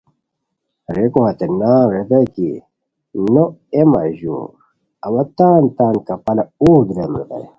ریکو ہتے نان ریتائے کی نو اے مہ ژور اوا تان تان کپالہ اوغ دریم ریتائے